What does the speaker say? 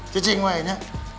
cicing mah nye